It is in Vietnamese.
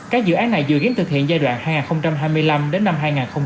các dự án này dự kiến thực hiện giai đoạn hai nghìn hai mươi năm đến năm hai nghìn ba mươi